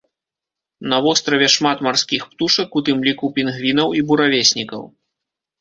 На востраве шмат марскіх птушак, у тым ліку пінгвінаў і буравеснікаў.